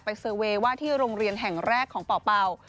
เซอร์เวย์ว่าที่โรงเรียนแห่งแรกของเป่า